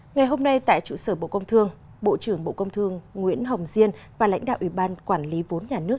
ngày hôm nay tại trụ sở bộ công thương bộ trưởng bộ công thương nguyễn hồng diên và lãnh đạo ủy ban quản lý vốn nhà nước